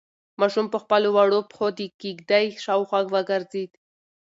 ماشوم په خپلو وړو پښو د کيږدۍ شاوخوا وګرځېد.